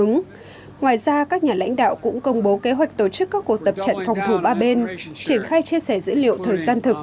ngoài ra các nhà lãnh đạo cũng công bố kế hoạch tổ chức các cuộc tập trận phòng thủ ba bên triển khai chia sẻ dữ liệu thời gian thực